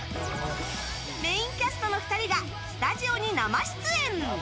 メインキャストの２人がスタジオに生出演！